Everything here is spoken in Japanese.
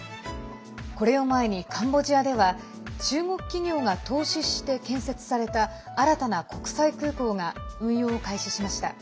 これを前にカンボジアでは中国企業が投資して建設された新たな国際空港が運用を開始しました。